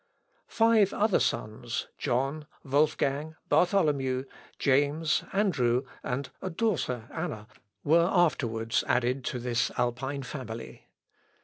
Five other sons, John, Wolfgang, Bartholomew, James, Andrew, and a daughter, Anna, were afterwards added to this Alpine family.